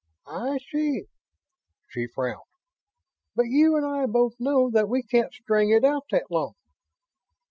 "I see." She frowned. "But you and I both know that we can't string it out that long."